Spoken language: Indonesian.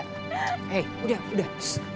hei udah udah